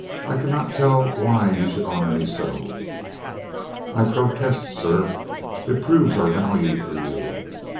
I can not tell why you should honor me so." "I protest, sir, it proves our value for you."